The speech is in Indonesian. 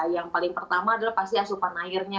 yang paling pertama adalah pasti asupan airnya